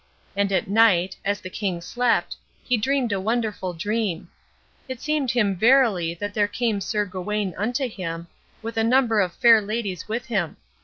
And at night, as the king slept, he dreamed a wonderful dream. It seemed him verily that there came Sir Gawain unto him, with a number of fair ladies with him.